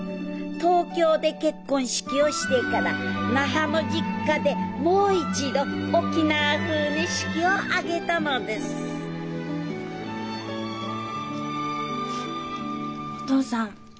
東京で結婚式をしてから那覇の実家でもう一度沖縄風に式を挙げたのですお父さん